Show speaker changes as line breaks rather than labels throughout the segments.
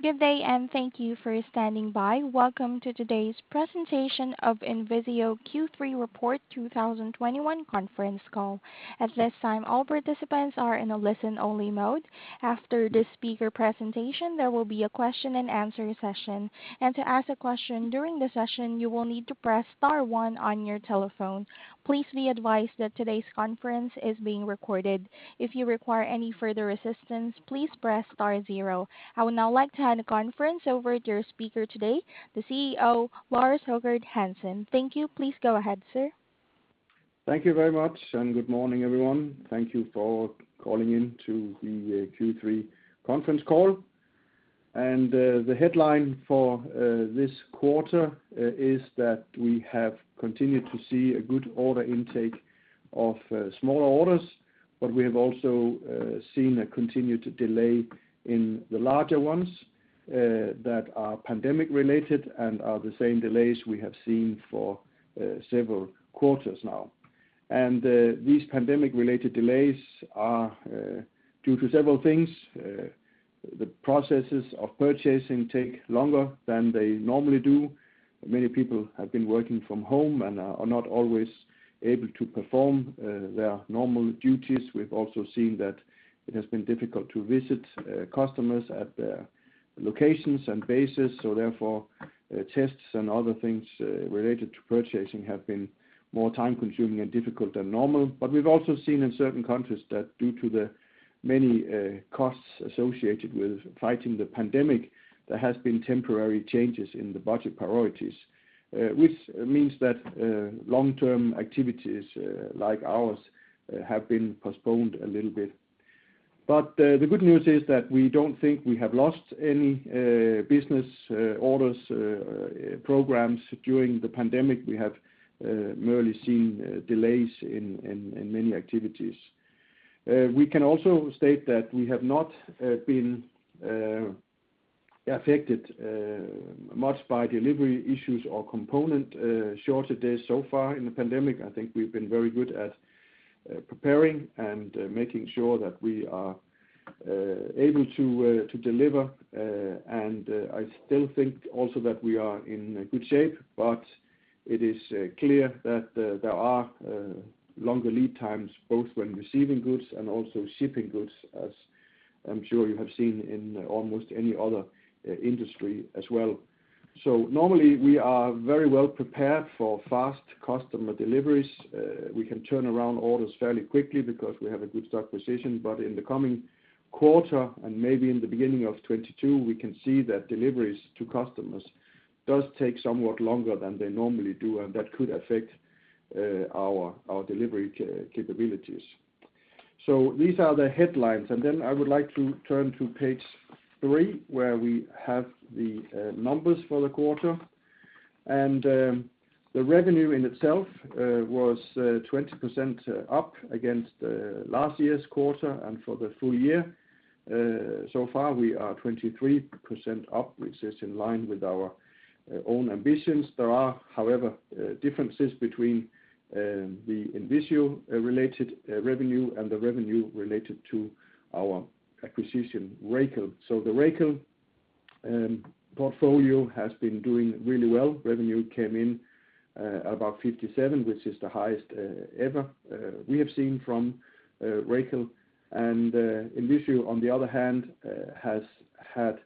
Good day, and thank you for standing by. Welcome to today's presentation of INVISIO Q3 Report 2021 conference call. At this time, all participants are in a listen-only mode. After the speaker presentation, there will be a question-and-answer session. To ask a question during the session, you will need to press star one on your telephone. Please be advised that today's conference is being recorded. If you require any further assistance, please press star zero. I would now like to hand the conference over to your speaker today, the CEO, Lars Højgård Hansen. Thank you. Please go ahead, sir.
Thank you very much, and good morning, everyone. Thank you for calling in to the Q3 conference call. The headline for this quarter is that we have continued to see a good order intake of smaller orders, but we have also seen a continued delay in the larger ones that are pandemic related and are the same delays we have seen for several quarters now. These pandemic-related delays are due to several things. The processes of purchasing take longer than they normally do. Many people have been working from home and are not always able to perform their normal duties. We've also seen that it has been difficult to visit customers at their locations and bases, so therefore tests and other things related to purchasing have been more time-consuming and difficult than normal. We've also seen in certain countries that due to the many costs associated with fighting the pandemic, there has been temporary changes in the budget priorities, which means that long-term activities like ours have been postponed a little bit. The good news is that we don't think we have lost any business orders programs during the pandemic. We have merely seen delays in many activities. We can also state that we have not been affected much by delivery issues or component shortages so far in the pandemic. I think we've been very good at preparing and making sure that we are able to deliver. I still think also that we are in a good shape, but it is clear that there are longer lead times, both when receiving goods and also shipping goods, as I'm sure you have seen in almost any other industry as well. Normally, we are very well prepared for fast customer deliveries. We can turn around orders fairly quickly because we have a good stock position. In the coming quarter, and maybe in the beginning of 2022, we can see that deliveries to customers does take somewhat longer than they normally do, and that could affect our delivery capabilities. These are the headlines. Then I would like to turn to page three, where we have the numbers for the quarter. The revenue in itself was 20% up against last year's quarter and for the full-year. So far, we are 23% up, which is in line with our own ambitions. There are, however, differences between the INVISIO-related revenue and the revenue related to our acquisition, Racal. The Racal portfolio has been doing really well. Revenue came in about 57, which is the highest ever we have seen from Racal. INVISIO, on the other hand, has had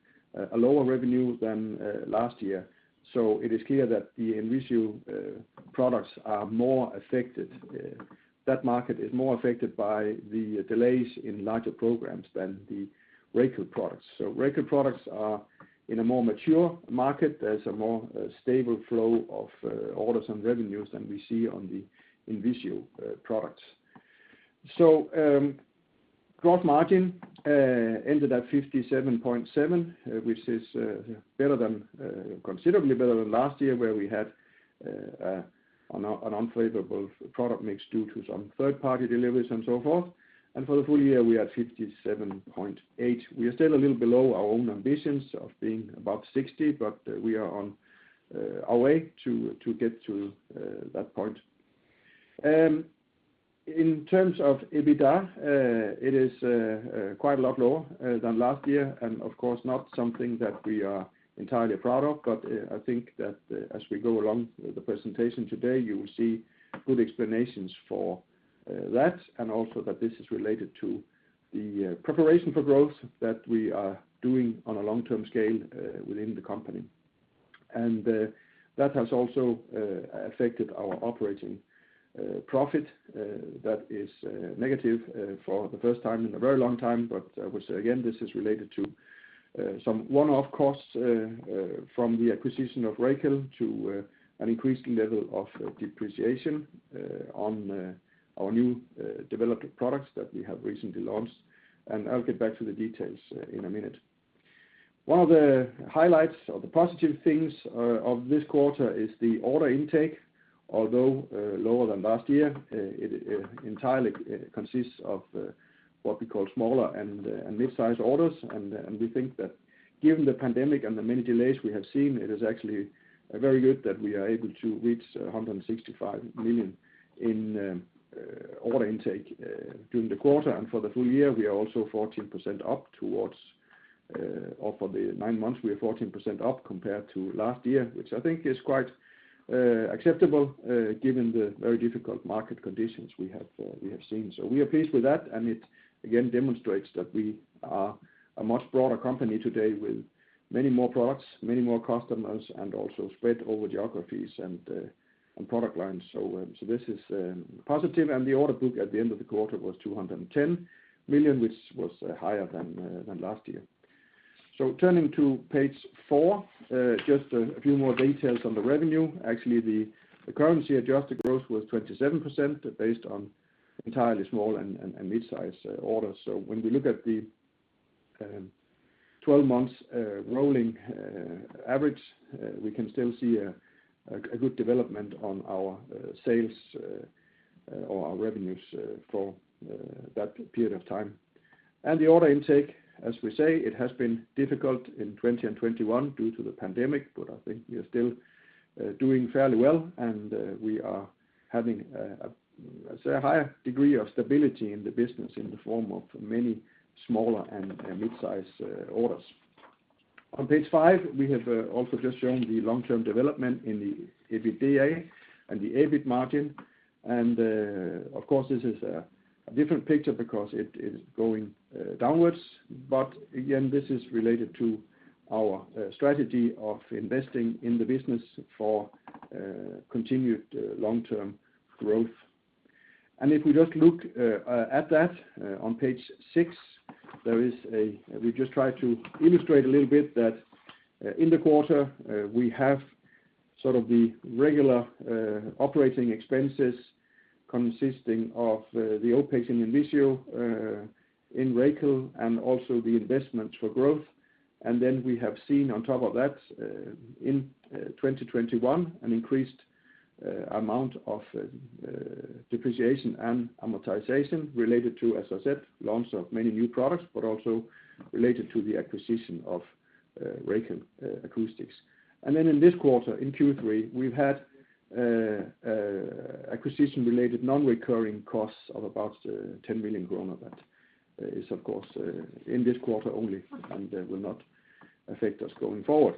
a lower revenue than last year. It is clear that the INVISIO products are more affected. That market is more affected by the delays in larger programs than the Racal products. Racal products are in a more mature market. There's a more stable flow of orders and revenues than we see on the INVISIO products. Growth margin ended at 57.7%, which is considerably better than last year, where we had an unfavorable product mix due to some third-party deliveries and so forth. For the full-year, we are at 57.8%. We are still a little below our own ambitions of being about 60%, but we are on our way to get to that point. In terms of EBITDA, it is quite a lot lower than last year, and of course, not something that we are entirely proud of. I think that as we go along the presentation today, you will see good explanations for that, and also that this is related to the preparation for growth that we are doing on a long-term scale within the company that has also affected our operating profit that is negative for the first time in a very long time. I will say again, this is related to some one-off costs from the acquisition of Racal to an increased level of depreciation on our new developed products that we have recently launched. I'll get back to the details in a minute. One of the highlights or the positive things of this quarter is the order intake. Although lower than last year, it entirely consists of what we call smaller and mid-sized orders. We think that given the pandemic and the many delays we have seen, it is actually very good that we are able to reach 165 million in order intake during the quarter. For the full-year, we are also 14% up, or for the nine months, we are 14% up compared to last year, which I think is quite acceptable given the very difficult market conditions we have seen. We are pleased with that, and it again demonstrates that we are a much broader company today with many more products, many more customers, and also spread over geographies and product lines. This is positive. The order book at the end of the quarter was 210 million, which was higher than last year. Turning to page four, just a few more details on the revenue. Actually, the currency adjusted growth was 27% based on entirely small and mid-size orders. When we look at the 12 months rolling average, we can still see a good development on our sales or our revenues for that period of time. The order intake, as we say, it has been difficult in 2020 and 2021 due to the pandemic, but I think we are still doing fairly well. We are having say a higher degree of stability in the business in the form of many smaller and mid-size orders. On page five, we have also just shown the long-term development in the EBITDA and the EBIT margin. Of course, this is a different picture because it is going downwards. Again, this is related to our strategy of investing in the business for continued long-term growth. If we just look at that on page six, we just try to illustrate a little bit that in the quarter we have sort of the regular operating expenses consisting of the OpEx in INVISIO in Racal, and also the investments for growth. We have seen on top of that in 2021 an increased amount of depreciation and amortization related to, as I said, launch of many new products, but also related to the acquisition of Racal Acoustics. In this quarter, in Q3, we've had acquisition-related non-recurring costs of about 10 million kroner. That is, of course, in this quarter only and will not affect us going forward.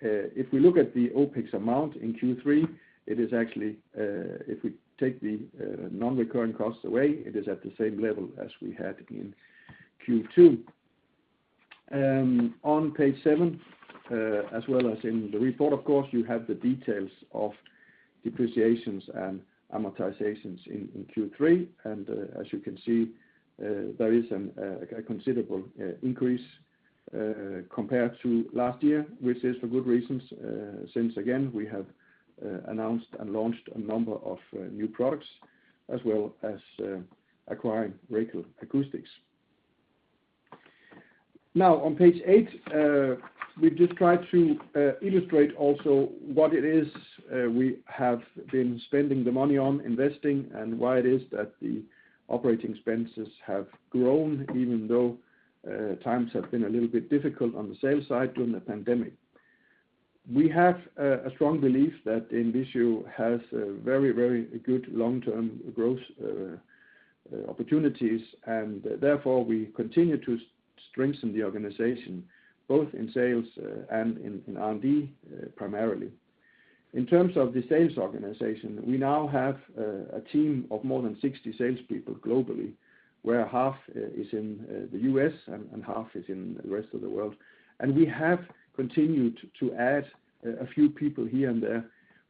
If we look at the OpEx amount in Q3, it is actually if we take the non-recurring costs away, it is at the same level as we had in Q2. On page seven, as well as in the report, of course, you have the details of depreciations and amortizations in Q3. As you can see, there is a considerable increase compared to last year, which is for good reasons, since again, we have announced and launched a number of new products, as well as acquiring Racal Acoustics. Now on page eight, we've just tried to illustrate also what it is we have been spending the money on investing and why it is that the operating expenses have grown, even though times have been a little bit difficult on the sales side during the pandemic. We have a strong belief that INVISIO has a very, very good long-term growth opportunities, and therefore, we continue to strengthen the organization, both in sales and in R&D, primarily. In terms of the sales organization, we now have a team of more than 60 salespeople globally, where half is in the U.S. and half is in the rest of the world. We have continued to add a few people here and there.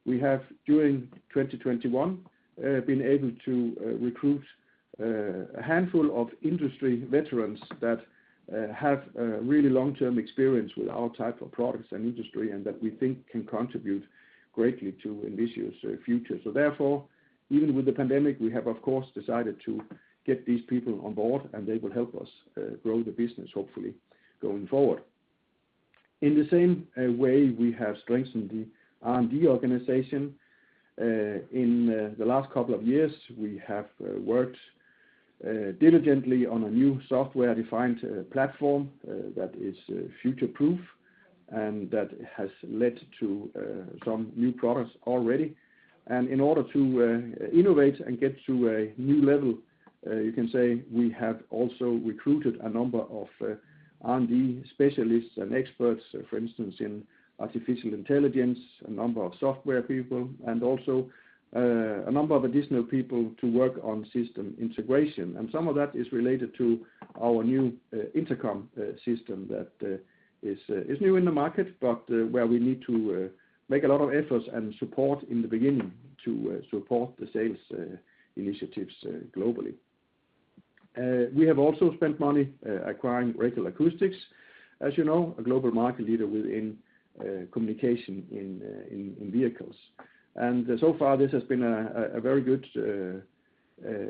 We have, during 2021, been able to recruit a handful of industry veterans that have really long-term experience with our type of products and industry and that we think can contribute greatly to INVISIO's future. Therefore, even with the pandemic, we have of course decided to get these people on board, and they will help us grow the business, hopefully, going forward. In the same way we have strengthened the R&D organization in the last couple of years, we have worked diligently on a new software-defined platform that is future-proof and that has led to some new products already. In order to innovate and get to a new level, you can say we have also recruited a number of R&D specialists and experts, for instance, in artificial intelligence, a number of software people, and also a number of additional people to work on system integration. Some of that is related to our new Intercom system that is new in the market, but where we need to make a lot of efforts and support in the beginning to support the sales initiatives globally. We have also spent money acquiring Racal Acoustics, as you know, a global market leader within communication in vehicles. So far, this has been a very good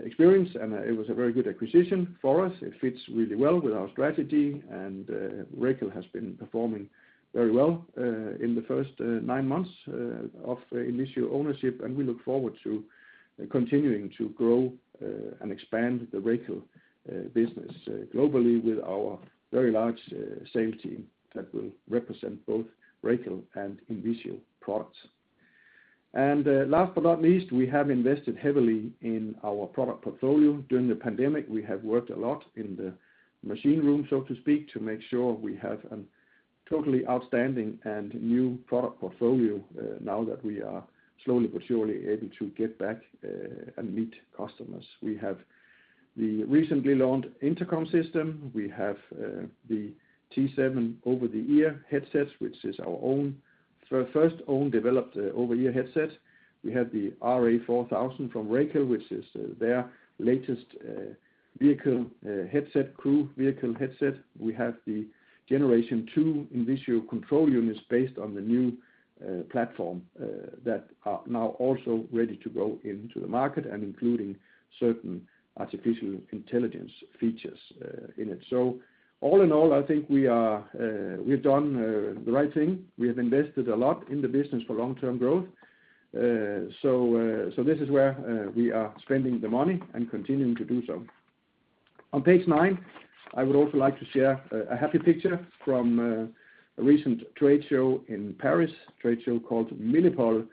experience, and it was a very good acquisition for us. It fits really well with our strategy, and Racal has been performing very well in the first nine months of INVISIO ownership, and we look forward to continuing to grow and expand the Racal business globally with our very large sales team that will represent both Racal and INVISIO products. Last but not least, we have invested heavily in our product portfolio during the pandemic. We have worked a lot in the machine room, so to speak, to make sure we have a totally outstanding and new product portfolio now that we are slowly but surely able to get back and meet customers. We have the recently launched Intercom system. We have the T7 over-the-ear headsets, which is our own first own developed over-ear headset. We have the RA4000 from Racal, which is their latest vehicle crew headset. We have the generation two INVISIO control units based on the new platform that are now also ready to go into the market and including certain artificial intelligence features in it. All in all, I think we are, we've done the right thing. We have invested a lot in the business for long-term growth. This is where we are spending the money and continuing to do so. On page nine, I would also like to share a happy picture from a recent trade show in Paris called Milipol,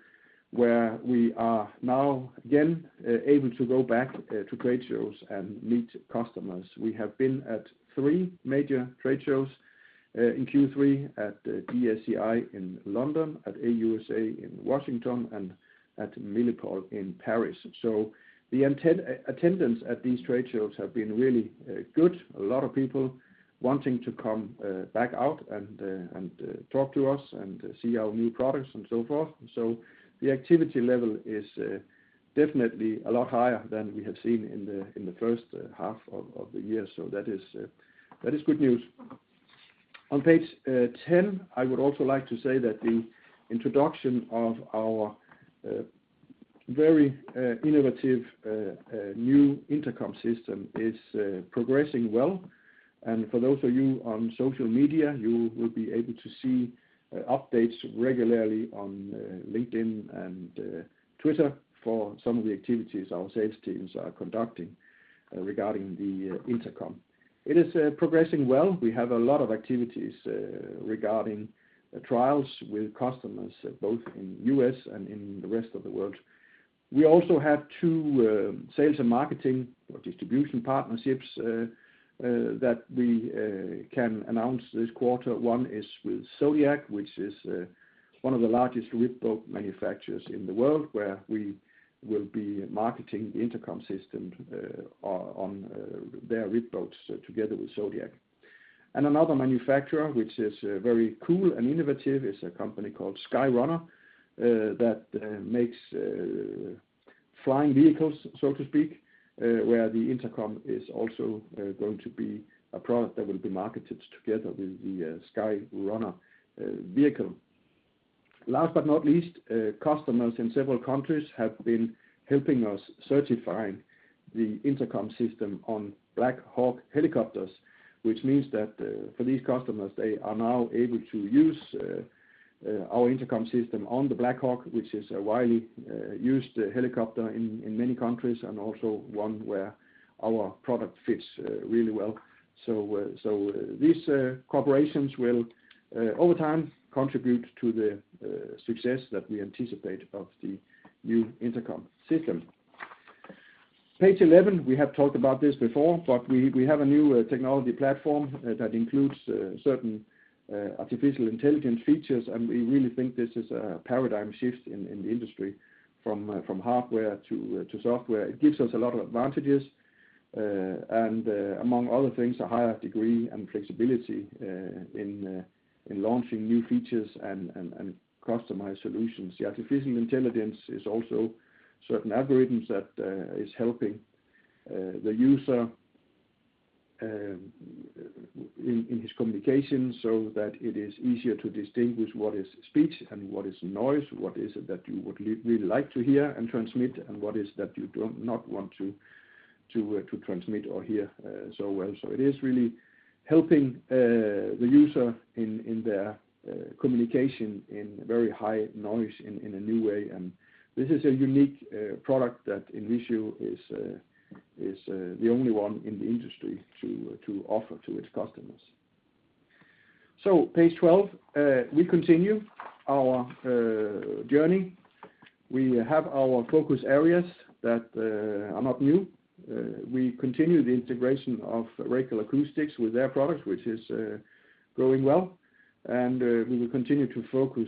where we are now again able to go back to trade shows and meet customers. We have been at three major trade shows in Q3 at DSEI in London, at AUSA in Washington, and at Milipol in Paris. The attendance at these trade shows have been really good. A lot of people wanting to come back out and talk to us and see our new products and so forth. The activity level is definitely a lot higher than we have seen in the first half of the year. That is good news. On page 10, I would also like to say that the introduction of our very innovative new Intercom system is progressing well. For those of you on social media, you will be able to see updates regularly on LinkedIn and Twitter for some of the activities our sales teams are conducting regarding the intercom. It is progressing well. We have a lot of activities regarding the trials with customers both in the U.S. and in the rest of the world. We also have two sales and marketing or distribution partnerships that we can announce this quarter. One is with Zodiac, which is one of the largest RIB boat manufacturers in the world, where we will be marketing the Intercom system on their RIB boats together with Zodiac. Another manufacturer, which is very cool and innovative, is a company called SkyRunner that makes flying vehicles, so to speak, where the intercom is also going to be a product that will be marketed together with the SkyRunner vehicle. Last but not least, customers in several countries have been helping us certifying the Intercom system on Black Hawk helicopters, which means that for these customers, they are now able to use our Intercom system on the Black Hawk, which is a widely used helicopter in many countries and also one where our product fits really well. These customers will over time contribute to the success that we anticipate of the new Intercom system. Page 11, we have talked about this before, but we have a new technology platform that includes certain artificial intelligence features, and we really think this is a paradigm shift in the industry from hardware to software. It gives us a lot of advantages, and among other things, a higher degree and flexibility in launching new features and customized solutions. The artificial intelligence is also certain algorithms that is helping the user in his communication so that it is easier to distinguish what is speech and what is noise, what is it that you would really like to hear and transmit, and what is that you do not want to transmit or hear so well. It is really helping the user in their communication in very high noise in a new way. This is a unique product that INVISIO is the only one in the industry to offer to its customers. Page 12, we continue our journey. We have our focus areas that are not new. We continue the integration of Racal Acoustics with their products, which is growing well. We will continue to focus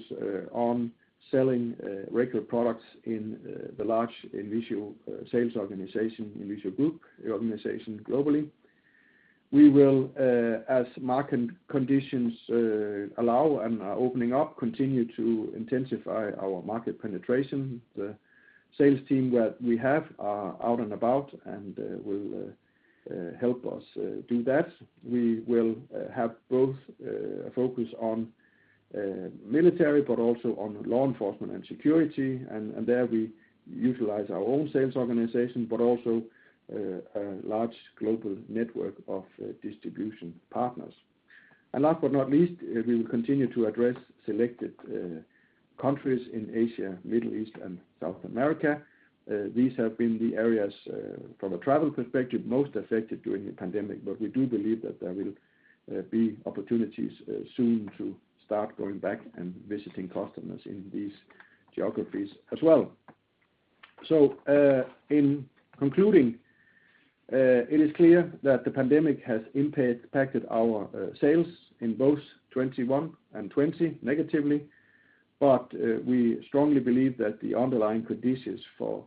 on selling Racal products in the large INVISIO sales organization, INVISIO group, the organization globally. We will, as market conditions allow and are opening up, continue to intensify our market penetration. The sales team that we have are out and about and will help us do that. We will have both a focus on military, but also on law enforcement and security. There we utilize our own sales organization, but also a large global network of distribution partners. Last but not least, we will continue to address selected countries in Asia, Middle East, and South America. These have been the areas from a travel perspective most affected during the pandemic, but we do believe that there will be opportunities soon to start going back and visiting customers in these geographies as well. In concluding, it is clear that the pandemic has impacted our sales in both 2021 and 2020 negatively. We strongly believe that the underlying conditions for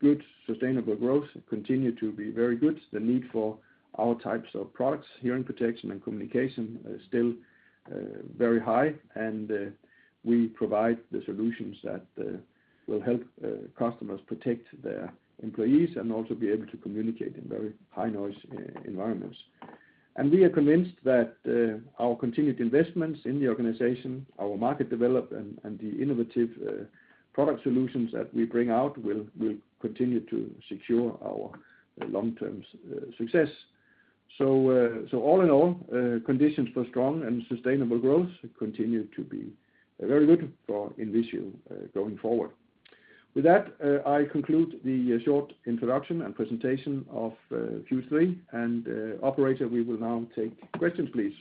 good sustainable growth continue to be very good. The need for our types of products, hearing protection and communication, are still very high, and we provide the solutions that will help customers protect their employees and also be able to communicate in very high noise environments. We are convinced that our continued investments in the organization, our market development, and the innovative product solutions that we bring out will continue to secure our long-term success. All in all, conditions for strong and sustainable growth continue to be very good for INVISIO going forward. With that, I conclude the short introduction and presentation of Q3. Operator, we will now take questions, please.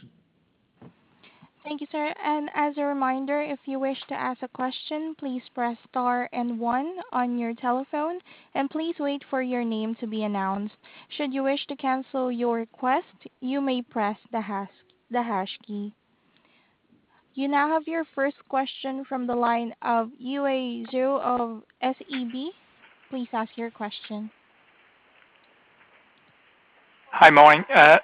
Thank you, sir. As a reminder, if you wish to ask a question, please press star and one on your telephone, and please wait for your name to be announced. Should you wish to cancel your request, you may press the hash, the hash key. You now have your first question from the line of Yiwei Zhou of SEB. Please ask your question.
Good morning, Lars.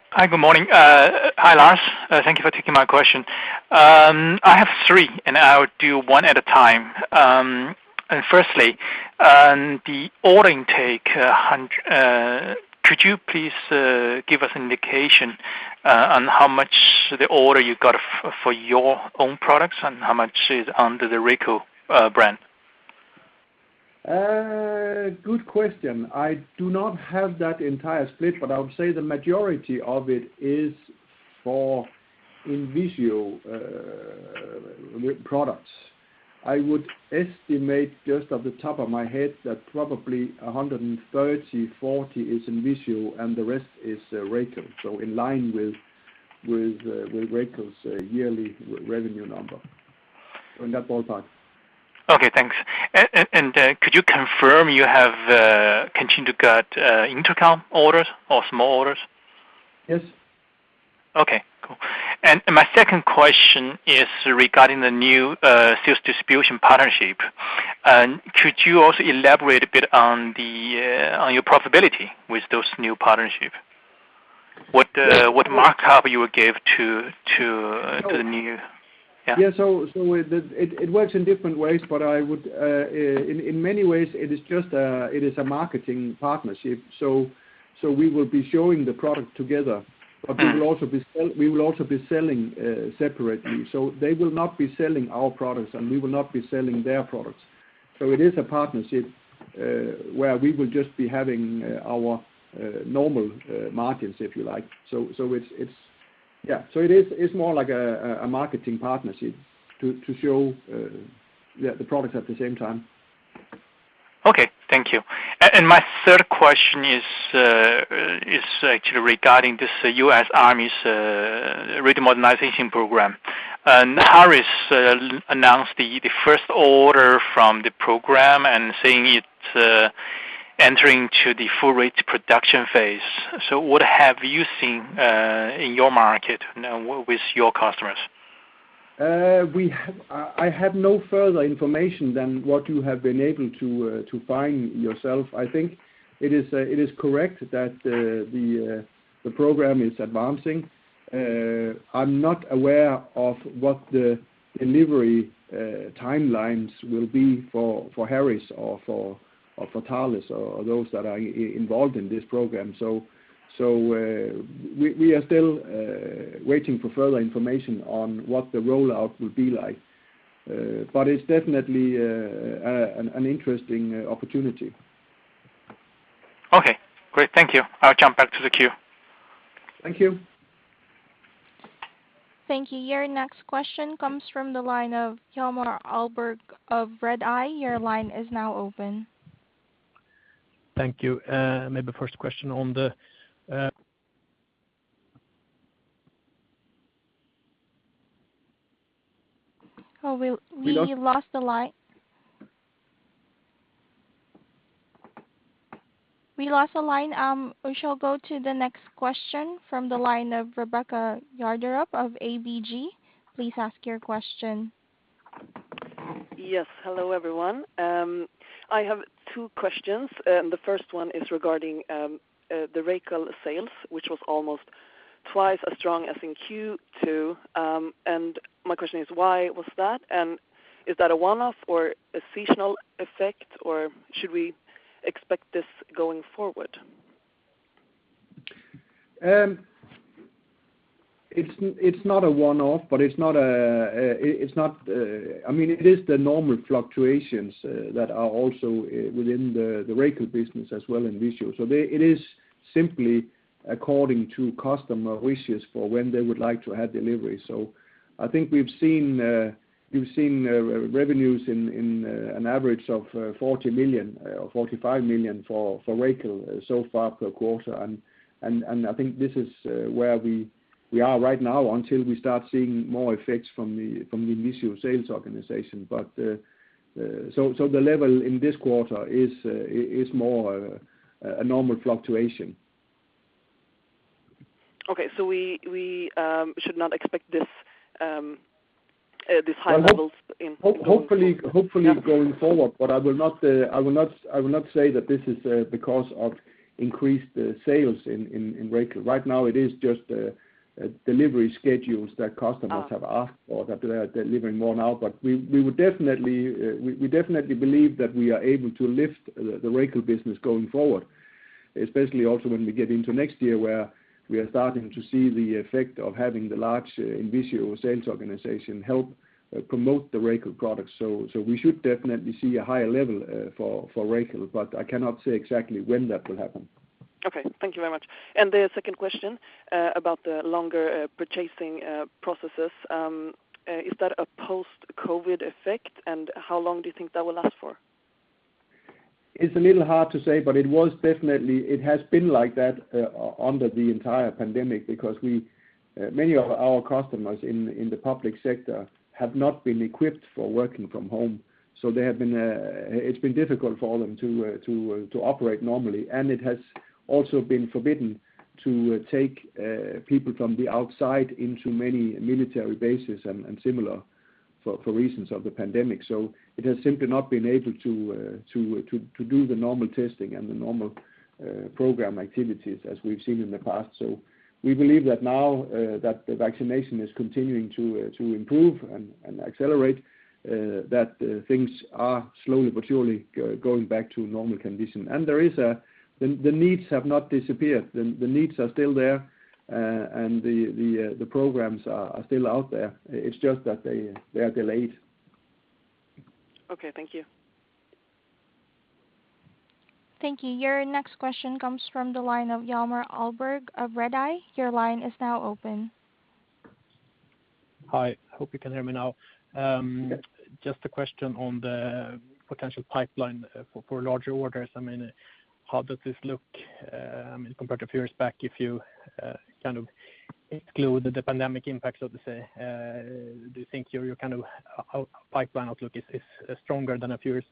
Thank you for taking my question. I have three, and I'll do one at a time. Firstly, on the order intake, could you please give us an indication on how much of the order you got for your own products and how much is under the Racal brand?
Good question. I do not have that entire split, but I would say the majority of it is for INVISIO products. I would estimate just off the top of my head that probably 130-140 is INVISIO, and the rest is Racal. In line with Racal's yearly revenue number in that ballpark.
Okay, thanks. Could you confirm you have continued to get Intercom orders or small orders?
Yes.
Okay, cool. My second question is regarding the new sales distribution partnership. Could you also elaborate a bit on your profitability with those new partnership? What markup you would give to the new. Yeah.
It works in different ways, but in many ways, it is just a marketing partnership. We will be showing the product together, but we will also be selling separately. They will not be selling our products, and we will not be selling their products. It is a partnership where we will just be having our normal markets, if you like. It's more like a marketing partnership to show yeah the products at the same time.
Okay, thank you. My third question is actually regarding this U.S. Army's radio modernization program. Harris announced the first order from the program and saying it's entering into the full-rate production phase. What have you seen in your market now with your customers?
I have no further information than what you have been able to find yourself. I think it is correct that the program is advancing. I'm not aware of what the delivery timelines will be for Harris or for Thales or those that are involved in this program. We are still waiting for further information on what the rollout will be like. It's definitely an interesting opportunity.
Okay, great. Thank you. I'll jump back to the queue.
Thank you.
Thank you. Your next question comes from the line of Hjalmar Ahlberg of Redeye. Your line is now open.
Thank you. Maybe first question on the
Oh, we lost the line. We shall go to the next question from the line of Rebecka Gärderup from ABG. Please ask your question.
Yes. Hello, everyone. I have two questions, and the first one is regarding the Racal sales, which was almost twice as strong as in Q2. My question is, why was that? Is that a one-off or a seasonal effect, or should we expect this going forward?
It's not a one-off, but it is the normal fluctuations that are also within the Racal business as well, INVISIO. It is simply according to customer wishes for when they would like to have delivery. I think we've seen revenues in an average of 40 million or 45 million for Racal so far per quarter. I think this is where we are right now until we start seeing more effects from the INVISIO sales organization. The level in this quarter is more a normal fluctuation.
Okay. We should not expect these high levels in-
Well, hopefully going forward. I will not say that this is because of increased sales in Racal. Right now it is just delivery schedules that customers have asked for, that they are delivering more now. We would definitely believe that we are able to lift the Racal business going forward, especially also when we get into next year where we are starting to see the effect of having the large INVISIO sales organization help promote the Racal products. We should definitely see a higher level for Racal, but I cannot say exactly when that will happen.
Okay. Thank you very much. The second question, about the longer purchasing processes, is that a post-COVID effect, and how long do you think that will last for?
It's a little hard to say, but it was definitely. It has been like that under the entire pandemic because many of our customers in the public sector have not been equipped for working from home, so they have been. It's been difficult for them to operate normally. It has also been forbidden to take people from the outside into many military bases and similar for reasons of the pandemic. It has simply not been able to do the normal testing and the normal program activities as we've seen in the past. We believe that now that the vaccination is continuing to improve and accelerate, things are slowly but surely going back to normal condition. There is a The needs have not disappeared. The needs are still there. The programs are still out there. It's just that they are delayed.
Okay, thank you.
Thank you. Your next question comes from the line of Hjalmar Ahlberg of Redeye. Your line is now open.
Hi. Hope you can hear me now. Just a question on the potential pipeline for larger orders. I mean, how does this look compared to a few years back if you kind of exclude the dynamic impacts, so to say? Do you think your kind of pipeline outlook is stronger than a few years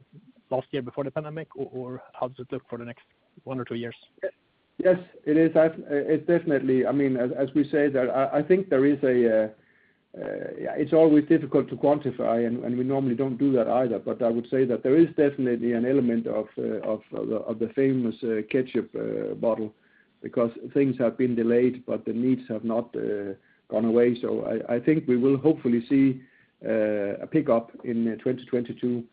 last year before the pandemic or how does it look for the next one or two years?
Yes, it is. It definitely, I mean, as we say, I think there is, it's always difficult to quantify and we normally don't do that either, but I would say that there is definitely an element of the famous ketchup bottle because things have been delayed, but the needs have not gone away. I think we will hopefully see a pickup in 2022.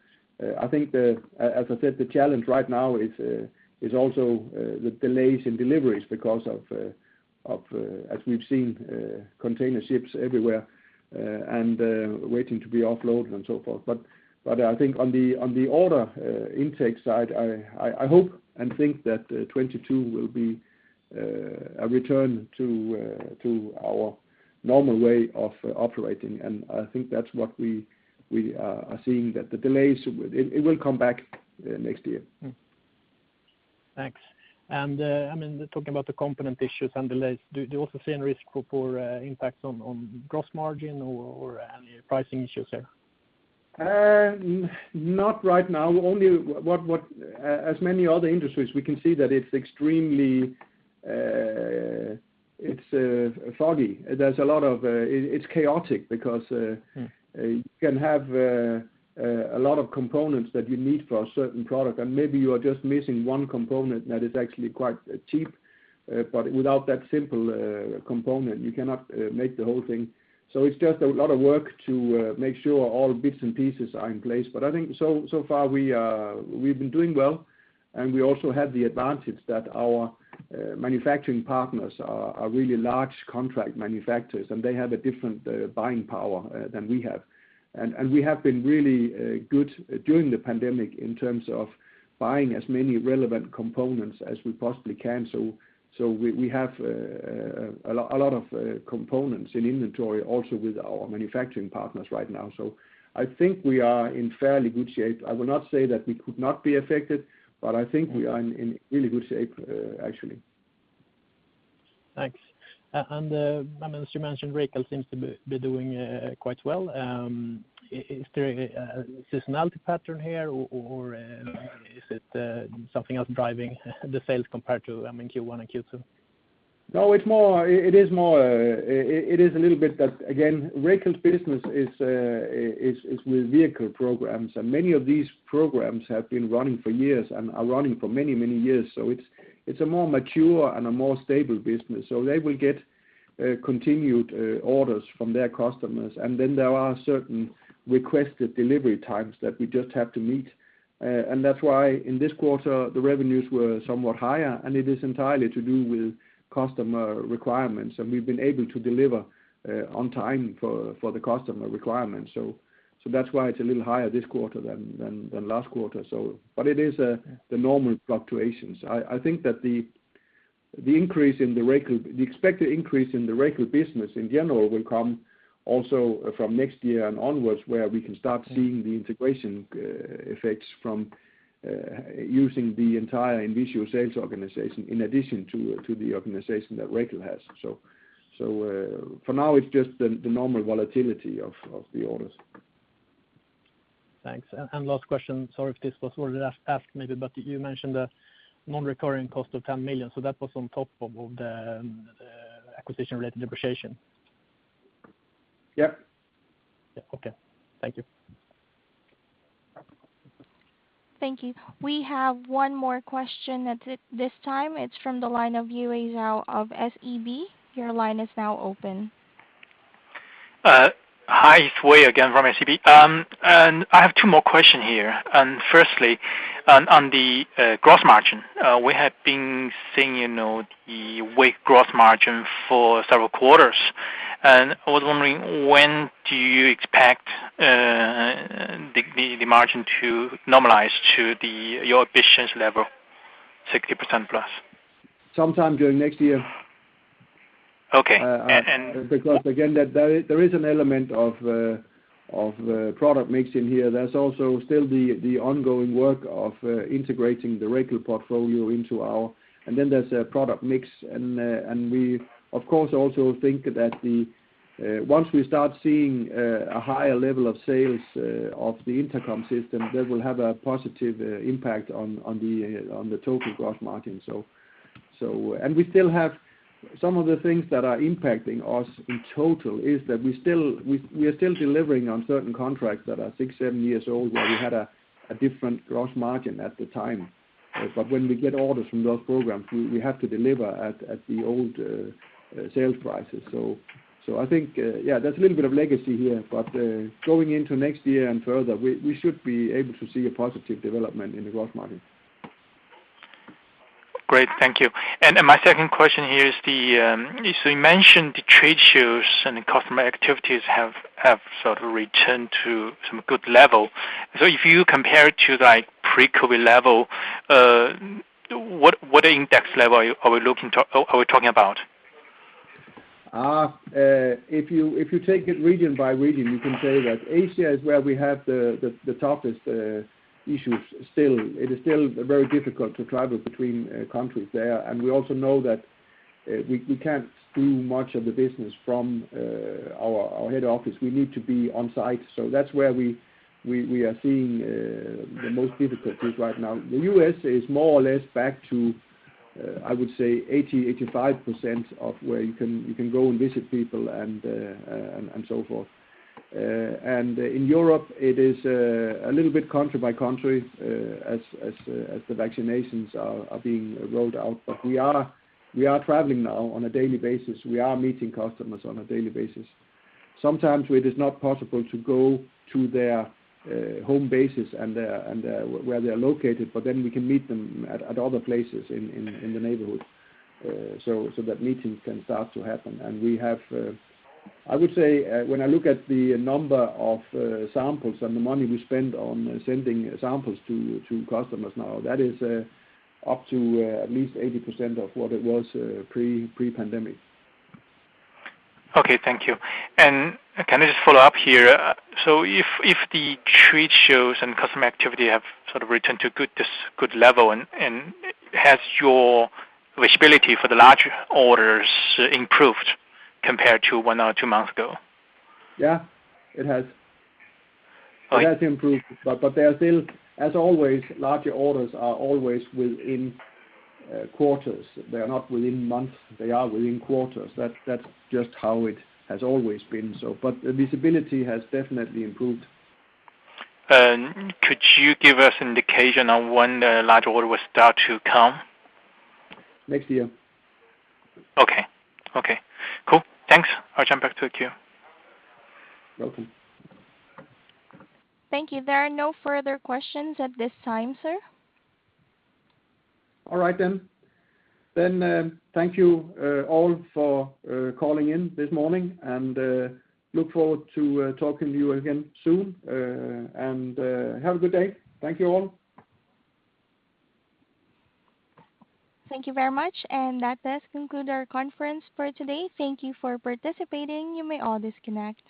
I think, as I said, the challenge right now is also the delays in deliveries because of, as we've seen, container ships everywhere and waiting to be offloaded and so forth. I think on the order intake side, I hope and think that 2022 will be a return to our normal way of operating, and I think that's what we are seeing, that the delays will come back next year.
Thanks. I mean, talking about the component issues and delays, do you also see any risk for poor impacts on gross margin or any pricing issues there?
Not right now. Only what, as many other industries, we can see that it's extremely foggy. There's a lot of it's chaotic because
Hmm
You can have a lot of components that you need for a certain product, and maybe you are just missing one component that is actually quite cheap. But without that simple component, you cannot make the whole thing. It's just a lot of work to make sure all bits and pieces are in place. I think so far we've been doing well, and we also have the advantage that our manufacturing partners are really large contract manufacturers, and they have a different buying power than we have. We have been really good during the pandemic in terms of buying as many relevant components as we possibly can. We have a lot of components in inventory also with our manufacturing partners right now. I think we are in fairly good shape. I will not say that we could not be affected, but I think we are in really good shape, actually.
Thanks. I mean, as you mentioned, Racal seems to be doing quite well. Is there a seasonality pattern here or is it something else driving the sales compared to, I mean, Q1 and Q2?
No, it is more. It is a little bit that, again, Racal's business is with vehicle programs, and many of these programs have been running for years and are running for many, many years. It's a more mature and a more stable business. They will get continued orders from their customers, and then there are certain requested delivery times that we just have to meet. That's why in this quarter, the revenues were somewhat higher, and it is entirely to do with customer requirements, and we've been able to deliver on time for the customer requirements. That's why it's a little higher this quarter than last quarter. It is the normal fluctuations. I think that the increase in the Racal, the expected increase in the Racal business in general will come also from next year and onwards, where we can start seeing the integration effects from using the entire INVISIO sales organization in addition to the organization that Racal has. So, for now it's just the normal volatility of the orders.
Thanks. Last question, sorry if this was already asked maybe, but you mentioned the non-recurring cost of 10 million. That was on top of the acquisition-related depreciation?
Yeah.
Yeah. Okay. Thank you.
Thank you. We have one more question. That's it this time. It's from the line of Yiwei Zhou of SEB. Your line is now open.
Hi, it's Wei again from SEB. I have two more question here. Firstly on the gross margin. We have been seeing, you know, the weak gross margin for several quarters. I was wondering when do you expect the margin to normalize to your ambitions level, 60%+?
Sometime during next year.
Okay.
Because again, there is an element of product mix in here. There's also still the ongoing work of integrating the Racal portfolio into our. Then there's a product mix and we, of course, also think that once we start seeing a higher level of sales of the Intercom, that will have a positive impact on the total gross margin. We still have some of the things that are impacting us in total is that we are still delivering on certain contracts that are six, seven years old, where we had a different gross margin at the time. When we get orders from those programs, we have to deliver at the old sales prices. I think, yeah, that's a little bit of legacy here. Going into next year and further, we should be able to see a positive development in the growth margin.
Great. Thank you. My second question here is the so you mentioned the trade shows and the customer activities have sort of returned to some good level. If you compare it to like pre-COVID level, what index level are we talking about?
If you take it region by region, you can say that Asia is where we have the toughest issues still. It is still very difficult to travel between countries there. We also know that we can't do much of the business from our head office. We need to be on site. That's where we are seeing the most difficulties right now. The U.S. is more or less back to, I would say, 80%-85% of where you can go and visit people and so forth. In Europe it is a little bit country by country, as the vaccinations are being rolled out. We are traveling now on a daily basis. We are meeting customers on a daily basis. Sometimes it is not possible to go to their home bases and where they're located, but then we can meet them at other places in the neighborhood so that meetings can start to happen. We have, I would say, when I look at the number of samples and the money we spend on sending samples to customers now, that is up to at least 80% of what it was pre-pandemic.
Okay. Thank you. Can I just follow up here? If the trade shows and customer activity have sort of returned to this good level, has your visibility for the larger orders improved compared to one or two months ago?
Yeah. It has.
All right.
It has improved, but there are still, as always, larger orders are always within quarters. They are not within months, they are within quarters. That's just how it has always been so. The visibility has definitely improved.
Could you give us indication on when the large order will start to come?
Next year.
Okay. Okay, cool. Thanks. I'll jump back to the queue.
Welcome.
Thank you. There are no further questions at this time, sir.
All right then. Thank you all for calling in this morning, and look forward to talking to you again soon. Have a good day. Thank you all.
Thank you very much. That does conclude our conference for today. Thank you for participating. You may all disconnect.